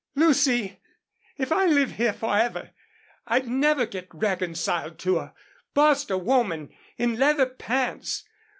"Lucy, if I live here forever I'd never get reconciled to a Bostil woman in leather pants.